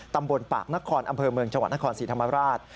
ตำบลปากนครอำเภอเมืองจังหวัดนครศรีธรรมราช